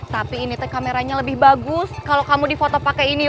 tapi ini teh kameranya lebih bagus kalo kamu di foto pake ini